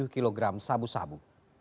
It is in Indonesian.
sepuluh tujuh kg sabu sabu